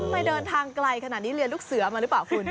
ไปเดินทางไกลขนาดนี้เรียนลูกเสือมาหรือเปล่าคุณ